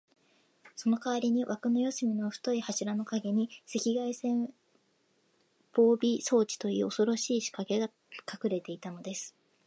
そのかわりに、わくの四すみの太い柱のかげに、赤外線防備装置という、おそろしいしかけがかくされていたのです。